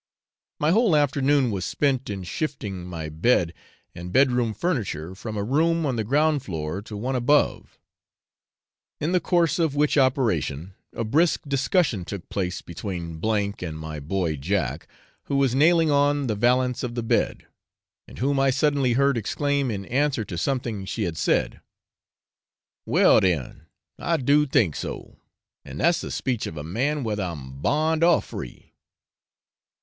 My whole afternoon was spent in shifting my bed and bed room furniture from a room on the ground floor to one above; in the course of which operation, a brisk discussion took place between M and my boy Jack, who was nailing on the vallence of the bed; and whom I suddenly heard exclaim in answer to something she had said 'Well den, I do tink so; and dat's the speech of a man, whether um bond or free.'